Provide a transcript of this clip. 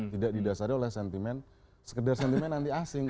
tidak didasari oleh sentimen sekedar sentimen anti asing